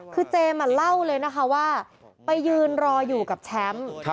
คือเจมส์เล่าเลยนะคะว่าไปยืนรออยู่กับแชมป์